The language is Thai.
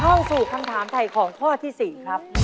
เข้าสู่คำถามถ่ายของข้อที่๔ครับ